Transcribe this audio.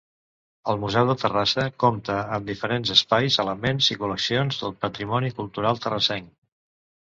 El Museu de Terrassa compta amb diferents espais, elements i col·leccions del patrimoni cultural terrassenc.